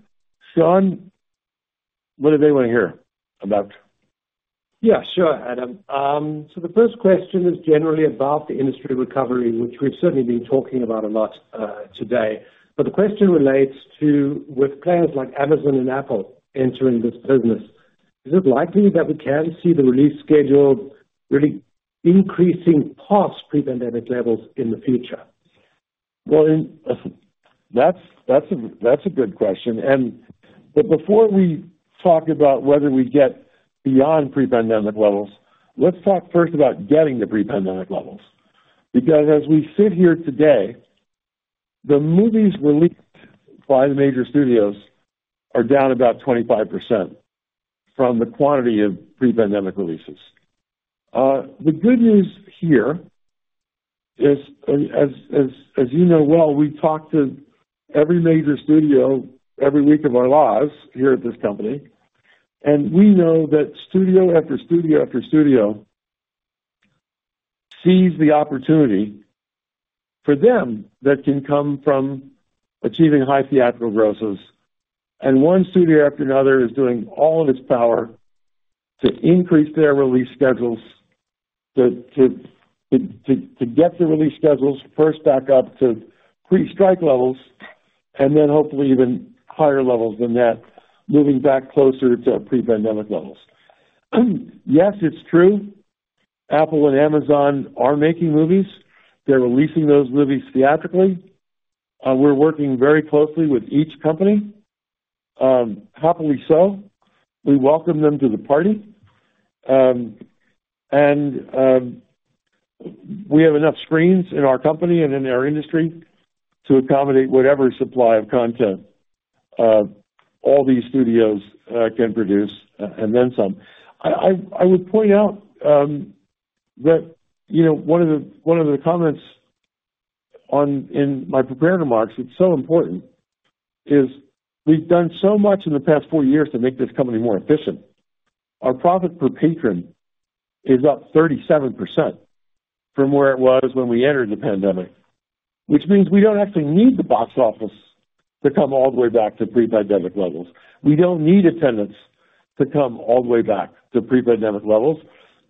Sean, what do they want to hear about? Yeah. Sure, Adam. So the first question is generally about the industry recovery, which we've certainly been talking about a lot today. But the question relates to with players like Amazon and Apple entering this business, is it likely that we can see the release schedule really increasing past pre-pandemic levels in the future? Well, that's a good question. But before we talk about whether we get beyond pre-pandemic levels, let's talk first about getting to pre-pandemic levels. Because as we sit here today, the movies released by the major studios are down about 25% from the quantity of pre-pandemic releases. The good news here is, as you know well, we talk to every major studio every week of our lives here at this company. And we know that studio after studio after studio sees the opportunity for them that can come from achieving high theatrical grosses. And one studio after another is doing all of its power to increase their release schedules, to get the release schedules first back up to pre-strike levels, and then hopefully even higher levels than that, moving back closer to pre-pandemic levels. Yes, it's true. Apple and Amazon are making movies. They're releasing those movies theatrically. We're working very closely with each company, happily so. We welcome them to the party. And we have enough screens in our company and in our industry to accommodate whatever supply of content all these studios can produce and then some. I would point out that one of the comments in my prepared remarks, it's so important, is we've done so much in the past four years to make this company more efficient. Our profit per patron is up 37% from where it was when we entered the pandemic, which means we don't actually need the box office to come all the way back to pre-pandemic levels. We don't need attendance to come all the way back to pre-pandemic levels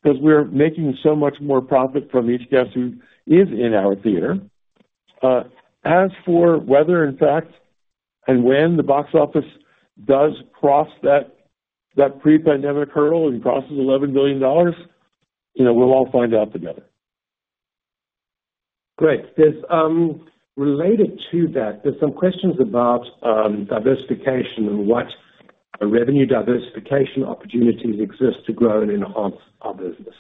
because we're making so much more profit from each guest who is in our theater. As for whether, in fact, and when the box office does cross that pre-pandemic hurdle and crosses $11 billion, we'll all find out together. Great. Related to that, there's some questions about diversification and what revenue diversification opportunities exist to grow and enhance our business.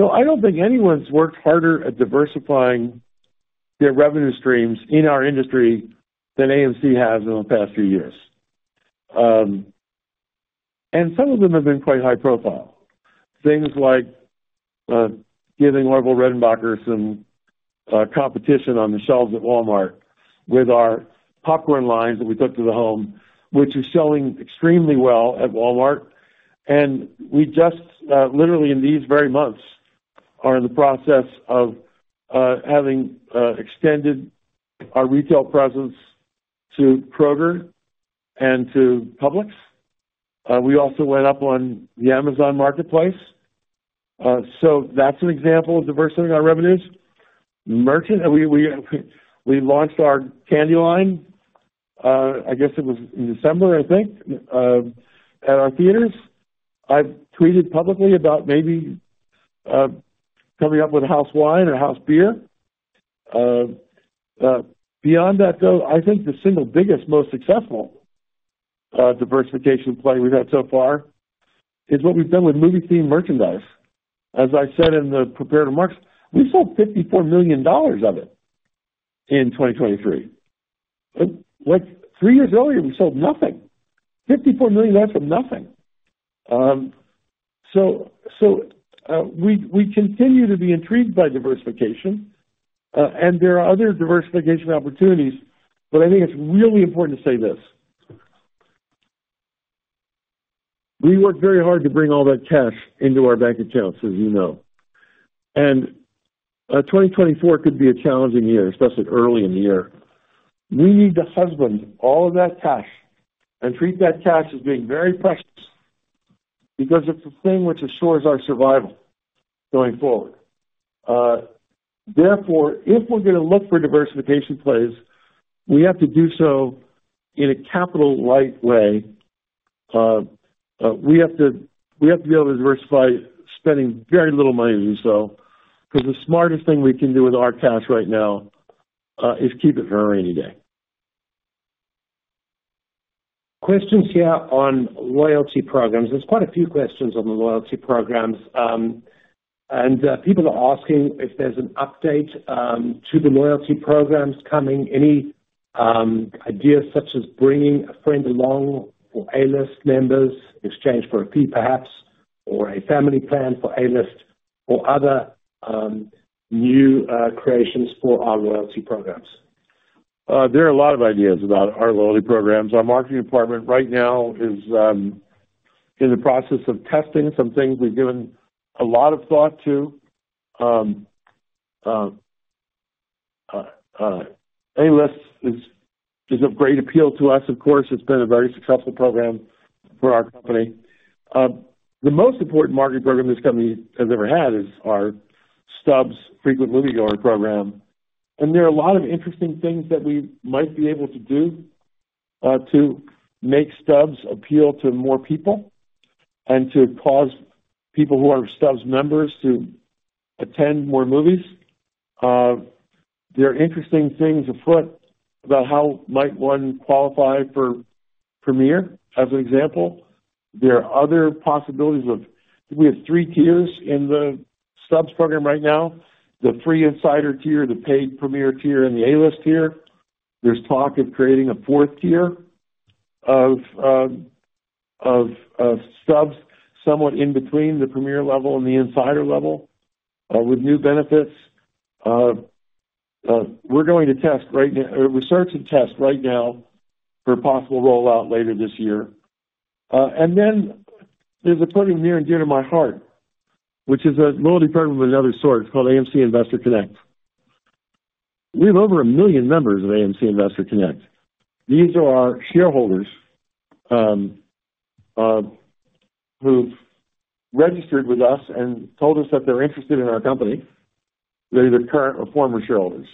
I don't think anyone's worked harder at diversifying their revenue streams in our industry than AMC has in the past few years. Some of them have been quite high-profile, things like giving Orville Redenbacher some competition on the shelves at Walmart with our popcorn lines that we took to the home, which are selling extremely well at Walmart. We just literally, in these very months, are in the process of having extended our retail presence to Kroger and to Publix. We also went up on the Amazon Marketplace. That's an example of diversifying our revenues. We launched our candy line. I guess it was in December, I think, at our theaters. I've tweeted publicly about maybe coming up with a house wine or a house beer. Beyond that, though, I think the single biggest, most successful diversification play we've had so far is what we've done with movie-themed merchandise. As I said in the prepared remarks, we sold $54 million of it in 2023. Three years earlier, we sold nothing, $54 million from nothing. So we continue to be intrigued by diversification. And there are other diversification opportunities. But I think it's really important to say this. We work very hard to bring all that cash into our bank accounts, as you know. And 2024 could be a challenging year, especially early in the year. We need to husband all of that cash and treat that cash as being very precious because it's the thing which assures our survival going forward. Therefore, if we're going to look for diversification plays, we have to do so in a capital-light way. We have to be able to diversify spending very little money to do so because the smartest thing we can do with our cash right now is keep it for a rainy day. Questions here on loyalty programs. There's quite a few questions on the loyalty programs. People are asking if there's an update to the loyalty programs coming, any ideas such as bringing a friend along for A-List members in exchange for a fee, perhaps, or a family plan for A-List or other new creations for our loyalty programs. There are a lot of ideas about our loyalty programs. Our marketing department right now is in the process of testing some things we've given a lot of thought to. A-List is of great appeal to us. Of course, it's been a very successful program for our company. The most important marketing program this company has ever had is our Stubs Frequent Moviegoer Program. There are a lot of interesting things that we might be able to do to make Stubs appeal to more people and to cause people who are Stubs members to attend more movies. There are interesting things afoot about how might one qualify for Premiere, as an example. There are other possibilities of we have three tiers in the Stubs program right now, the free Insider tier, the paid Premiere tier, and the A-List tier. There's talk of creating a fourth tier of Stubs somewhat in between the Premiere level and the Insider level with new benefits. We're going to test, right? We're starting to test right now for a possible rollout later this year. Then there's a program near and dear to my heart, which is a loyalty program of another sort. It's called AMC Investor Connect. We have over a million members of AMC Investor Connect. These are our shareholders who've registered with us and told us that they're interested in our company. They're either current or former shareholders.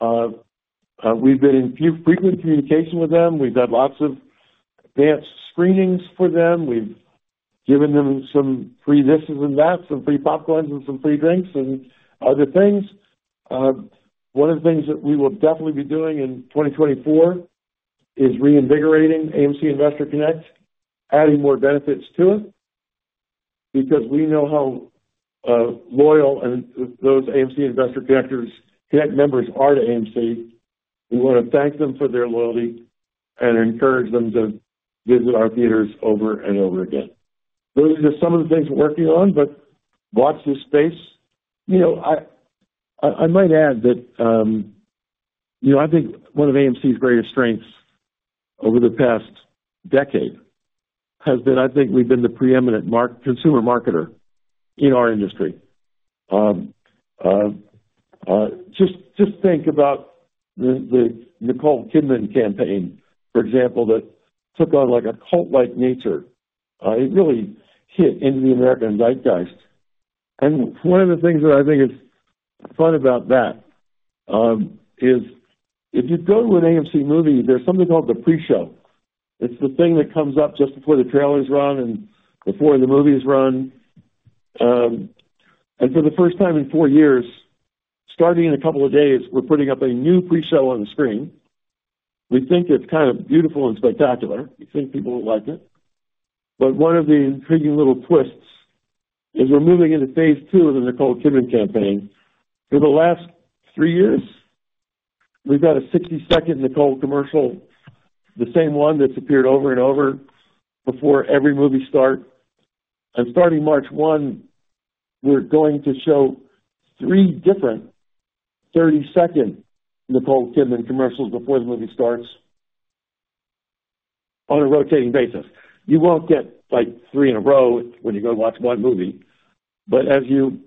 We've been in frequent communication with them. We've had lots of advanced screenings for them. We've given them some free thises and thats, some free popcorns, and some free drinks and other things. One of the things that we will definitely be doing in 2024 is reinvigorating AMC Investor Connect, adding more benefits to it because we know how loyal those AMC Investor Connect members are to AMC. We want to thank them for their loyalty and encourage them to visit our theaters over and over again. Those are just some of the things we're working on. But watch this space. I might add that I think one of AMC's greatest strengths over the past decade has been, I think, we've been the preeminent consumer marketer in our industry. Just think about the Nicole Kidman campaign, for example, that took on a cult-like nature. It really hit into the American zeitgeist. And one of the things that I think is fun about that is if you go to an AMC movie, there's something called the pre-show. It's the thing that comes up just before the trailers run and before the movies run. For the first time in four years, starting in a couple of days, we're putting up a new pre-show on the screen. We think it's kind of beautiful and spectacular. We think people will like it. But one of the intriguing little twists is we're moving into phase two of the Nicole Kidman campaign. For the last three years, we've got a 60-second Nicole commercial, the same one that's appeared over and over before every movie starts. Starting March 1, we're going to show three different 30-second Nicole Kidman commercials before the movie starts on a rotating basis. You won't get three in a row when you go to watch one movie. As you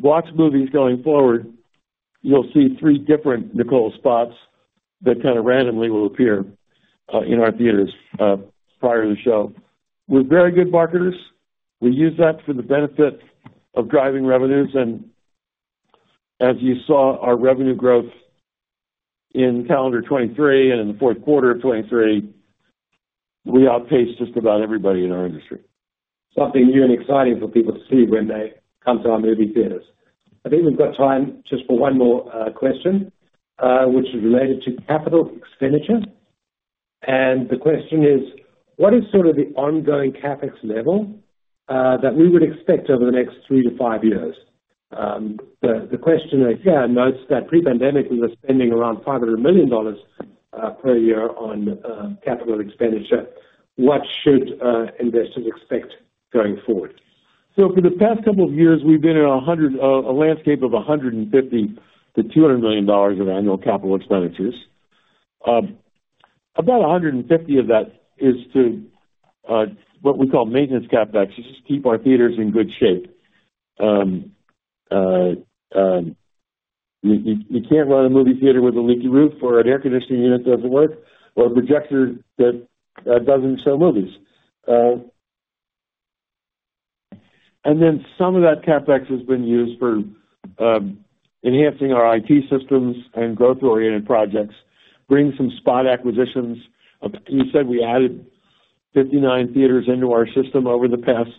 watch movies going forward, you'll see three different Nicole spots that kind of randomly will appear in our theaters prior to the show. We're very good marketers. We use that for the benefit of driving revenues. As you saw our revenue growth in calendar 2023 and in the fourth quarter of 2023, we outpaced just about everybody in our industry. Something new and exciting for people to see when they come to our movie theaters. I think we've got time just for one more question, which is related to capital expenditure. The question is, what is sort of the ongoing CapEx level that we would expect over the next three to five years? The question here notes that pre-pandemic, we were spending around $500 million per year on capital expenditure. What should investors expect going forward? So for the past couple of years, we've been in a landscape of $150 million-$200 million of annual capital expenditures. About $150 of that is to what we call maintenance CapEx, just to keep our theaters in good shape. You can't run a movie theater with a leaky roof or an air conditioning unit that doesn't work or a projector that doesn't show movies. And then some of that CapEx has been used for enhancing our IT systems and growth-oriented projects, bringing some spot acquisitions of. You said we added 59 theaters into our system over the past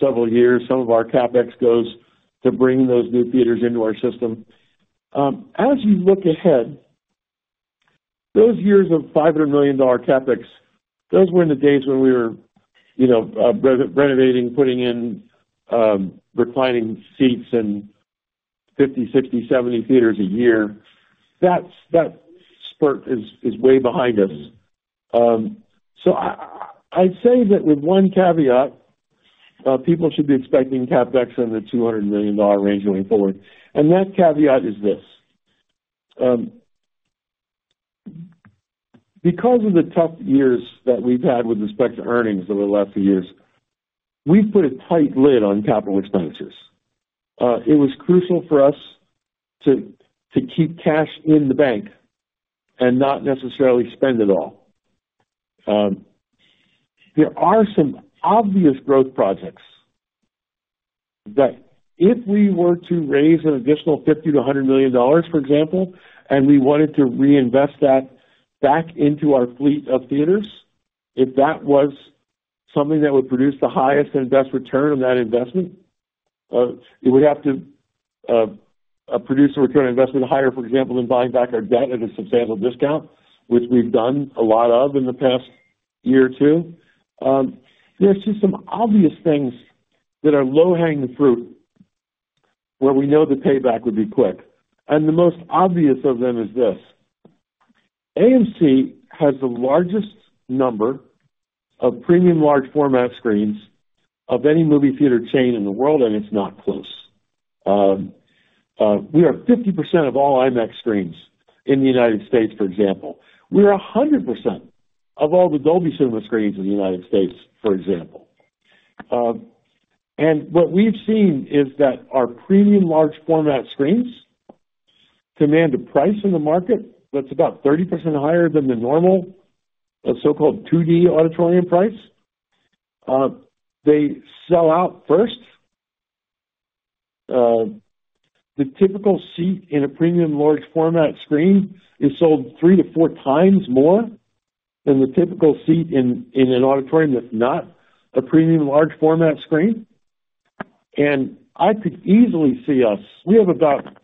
several years. Some of our CapEx goes to bringing those new theaters into our system. As you look ahead, those years of $500 million CapEx, those were in the days when we were renovating, putting in reclining seats and 50, 60, 70 theaters a year. That spurt is way behind us. So I'd say that with one caveat, people should be expecting CapEx in the $200 million range going forward. That caveat is this. Because of the tough years that we've had with respect to earnings over the last few years, we've put a tight lid on capital expenditures. It was crucial for us to keep cash in the bank and not necessarily spend it all. There are some obvious growth projects that if we were to raise an additional $50 million-$100 million, for example, and we wanted to reinvest that back into our fleet of theaters, if that was something that would produce the highest and best return on that investment, it would have to produce a return on investment higher, for example, than buying back our debt at a substantial discount, which we've done a lot of in the past year or two. There's just some obvious things that are low-hanging fruit where we know the payback would be quick. The most obvious of them is this. AMC has the largest number of premium large-format screens of any movie theater chain in the world, and it's not close. We are 50% of all IMAX screens in the United States, for example. We are 100% of all the Dolby Cinema screens in the United States, for example. What we've seen is that our premium large-format screens demand a price in the market that's about 30% higher than the normal so-called 2D auditorium price. They sell out first. The typical seat in a premium large-format screen is sold three to four times more than the typical seat in an auditorium that's not a premium large-format screen. And I could easily see us we have about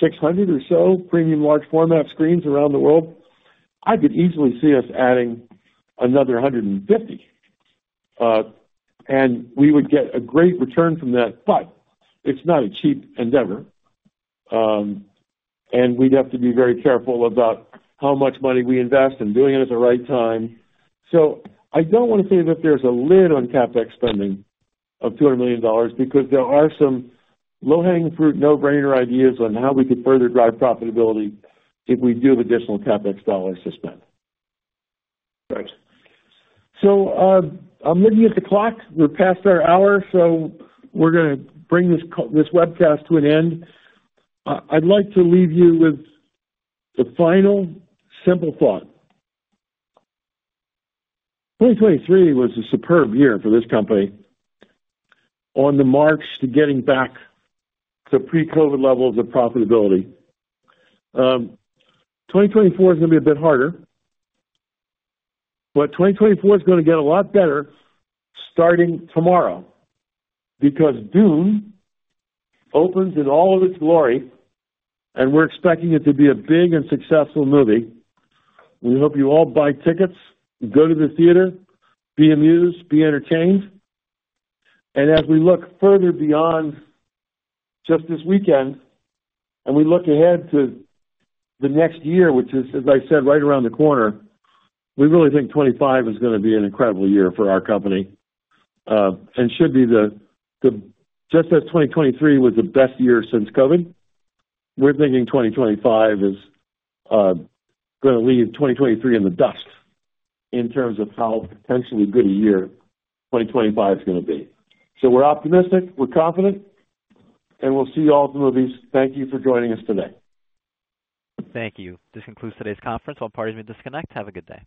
600 or so Premium Large Format screens around the world. I could easily see us adding another 150. And we would get a great return from that. But it's not a cheap endeavor. And we'd have to be very careful about how much money we invest and doing it at the right time. So I don't want to say that there's a lid on CapEx spending of $200 million because there are some low-hanging fruit, no-brainer ideas on how we could further drive profitability if we do have additional CapEx dollars to spend. So I'm looking at the clock. We're past our hour. So we're going to bring this webcast to an end. I'd like to leave you with the final simple thought. 2023 was a superb year for this company on the march to getting back to pre-COVID levels of profitability. 2024 is going to be a bit harder. But 2024 is going to get a lot better starting tomorrow because Dune opens in all of its glory. And we're expecting it to be a big and successful movie. We hope you all buy tickets, go to the theater, be amused, be entertained. And as we look further beyond just this weekend and we look ahead to the next year, which is, as I said, right around the corner, we really think 2025 is going to be an incredible year for our company and should be the just as 2023 was the best year since COVID, we're thinking 2025 is going to leave 2023 in the dust in terms of how potentially good a year 2025 is going to be. So we're optimistic. We're confident. And we'll see you all at the movies. Thank you for joining us today. Thank you. This concludes today's conference. All parties may disconnect. Have a good day.